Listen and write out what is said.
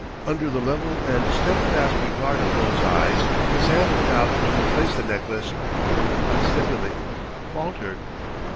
Under the level and steadfast regard of those eyes his hand went out to replace the necklace, moved unsteadily, faltered....